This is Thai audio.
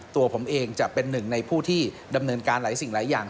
ตัวผมเองจะเป็นหนึ่งในผู้ที่ดำเนินการหลายสิ่งหลายอย่าง